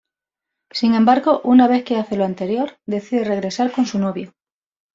Sin embargo, una vez que hace lo anterior, decide regresar con su novio.